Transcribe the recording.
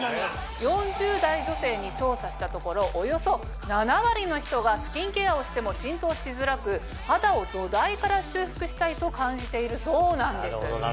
４０代女性に調査したところおよそ７割の人がスキンケアをしても浸透しづらく肌を土台から修復したいと感じているそうなんです。